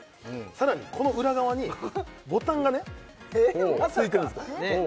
さらにこの裏側にボタンがね付いてるんです